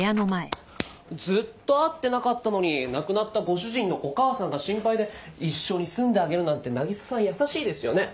ずっと会ってなかったのに亡くなったご主人のお母さんが心配で一緒に住んであげるなんて渚さん優しいですよね。